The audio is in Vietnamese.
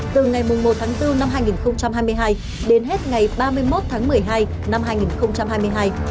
từ ngày một tháng bốn năm hai nghìn hai mươi hai đến hết ngày ba mươi một tháng một mươi hai năm hai nghìn hai mươi hai